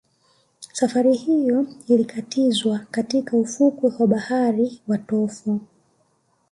Safari hiyo ilikatizwa katika ufukwe wa bahari wa Tofo